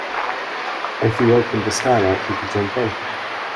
If you opened the skylight, he could jump in.